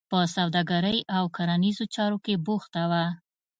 په سوداګرۍ او کرنیزو چارو کې بوخته وه.